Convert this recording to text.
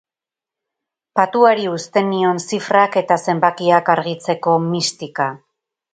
Patuari uzten nion zifrak eta zenbakiak argitzeko mistika.